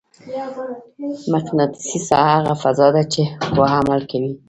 مقناطیسي ساحه هغه فضا ده چې قوه عمل کوي.